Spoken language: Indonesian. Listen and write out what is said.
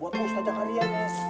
buat lo setaja karyanya